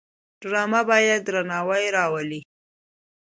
ډرامه باید درناوی راولي